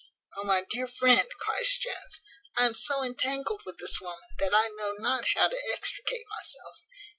"O my dear friend!" cries Jones, "I am so entangled with this woman, that I know not how to extricate myself.